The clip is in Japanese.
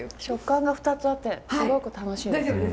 食感が２つあってすごく楽しいです。